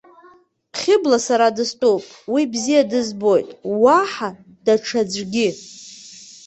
Хьыбла сара дыстәуп, уи бзиа дызбоит, уаҳа даҽаӡәгьы.